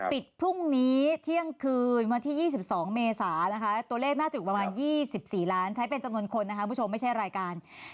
ปิดพรุ่งนี้เที่ยงคืนวันที่๒๒เมษานะคะตัวเลขน่าจะอยู่ประมาณ๒๔ล้านใช้เป็นจำนวนคนนะคะคุณผู้ชมไม่ใช่รายการ